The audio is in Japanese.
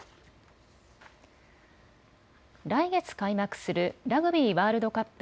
来月開幕するラグビーワールドカップ